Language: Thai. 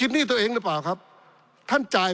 ปี๑เกณฑ์ทหารแสน๒